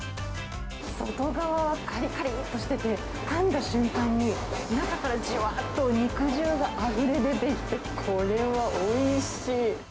外側はかりかりっとしてて、かんだ瞬間に、中からじゅわっと肉汁があふれ出てきて、これはおいしい。